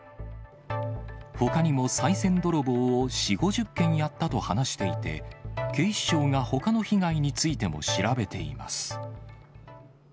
ほかにも、さい銭泥棒を４、５０件やったと話していて、警視庁がほかの被害についても調べています。